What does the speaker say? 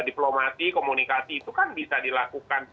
diplomati komunikasi itu kan bisa dilakukan g dua g g dua p